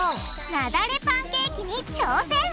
「なだれパンケーキ」に挑戦！